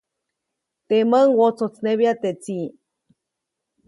Temäʼuŋ wotsojtsnebya teʼ tsiʼ.